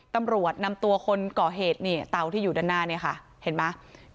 ตำรวจนำตัวคนก่อเหตุนี่เตาที่อยู่ด้านหน้าเนี่ยค่ะเห็นไหม